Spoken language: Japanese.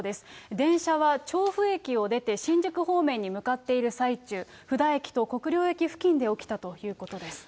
電車は調布駅を出て新宿方面に向かっている最中、布田駅と国領駅付近で起きたということです。